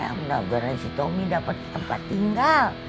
ya udah berani si tommy dapat tempat tinggal